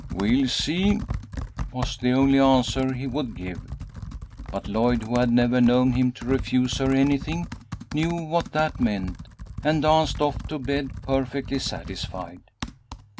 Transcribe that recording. "We'll see," was the only answer he would give, but Lloyd, who had never known him to refuse her anything, knew what that meant, and danced off to bed perfectly satisfied.